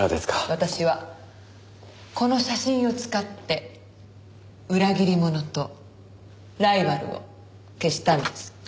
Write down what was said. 私はこの写真を使って裏切り者とライバルを消したんです。